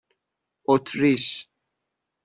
اتریش